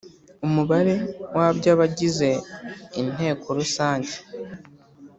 Umubare wa by abagize Inteko Rusange